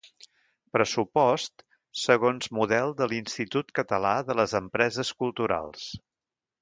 Pressupost, segons model de l'Institut Català de les Empreses Culturals.